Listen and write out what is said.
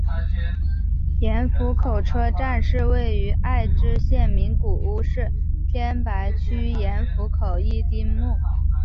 盐釜口车站是位于爱知县名古屋市天白区盐釜口一丁目。